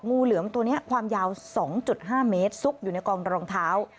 งูเหลือมตัวนี้ความยาว๒๕เมตรซุกอยู่ในกองรองเท้า